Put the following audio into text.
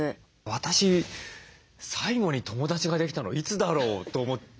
私最後に友だちができたのいつだろう？と思っちゃいます。